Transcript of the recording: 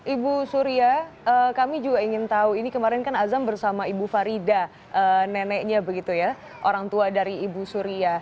ibu surya kami juga ingin tahu ini kemarin kan azam bersama ibu farida neneknya begitu ya orang tua dari ibu surya